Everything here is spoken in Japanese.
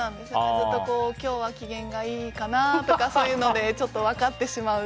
ずっと今日は機嫌がいいかなとかそういうので分かってしまうと。